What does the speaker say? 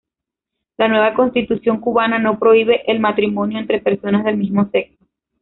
La nueva Constitución cubana no prohíbe el matrimonio entre personas del mismo sexo.